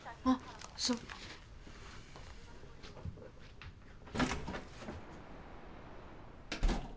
あっそう。